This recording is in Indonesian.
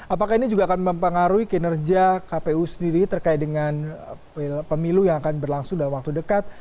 apakah ini juga akan mempengaruhi kinerja kpu sendiri terkait dengan pemilu yang akan berlangsung dalam waktu dekat